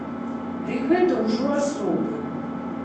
Дый гэта ўжо асобы.